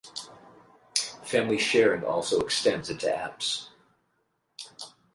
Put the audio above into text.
Family Sharing also extends into apps.